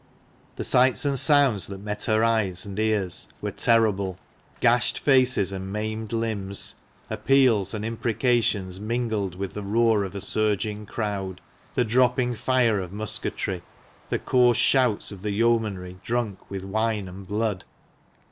The sights and sounds that met her eyes and ears were terrible ; gashed faces and maimed limbs ; appeals and impre cations mingled with the roar of a surging crowd ; the dropping fire of musketry ; the coarse shouts of the yeomanry, drunk with wine and blood